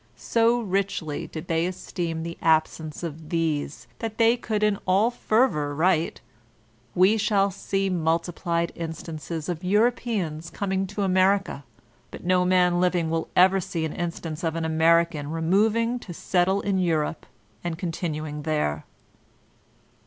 So richly did they esteem the absence of these that they could in all fervor write : ''We shall see multiplied instances of Europeans coming to America, but no man living will ever see an instance of an American removing to settle in Europe, and con* tinuing there.